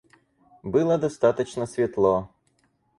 Было достаточно светло.